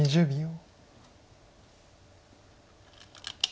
２０秒。